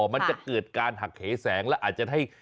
มันจะเกิดการหักเหแสงแล้วอาจจะให้